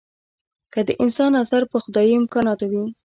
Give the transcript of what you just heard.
که د انسان نظر په خدايي امکاناتو وي.